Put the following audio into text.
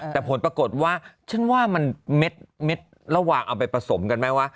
แต่ผลปรากฏว่าฉันว่ามันเม็ดระหว่างเอาไปผสมกันไหมวะ